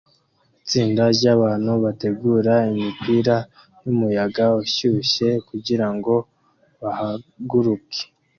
Itsinda ryabantu bategura imipira yumuyaga ushyushye kugirango bahaguruke